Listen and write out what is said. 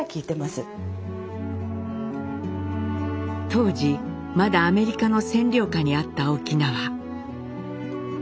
当時まだアメリカの占領下にあった沖縄。